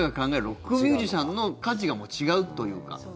ロックミュージシャンの価値がもう違うというか。